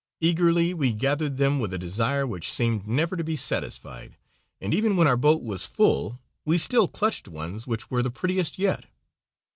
Eagerly we gathered them with a desire which seemed never to be satisfied, and even when our boat was full we still clutched ones which were "the prettiest yet."